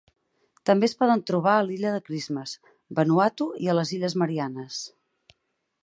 També es poden trobar a l'illa de Christmas, Vanuatu i les illes Mariannes.